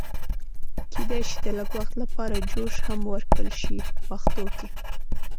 کېدای شي د لږ وخت لپاره جوش هم ورکړل شي په پښتو کې.